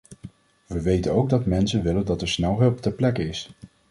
We weten ook dat mensen willen dat er snel hulp ter plekke is.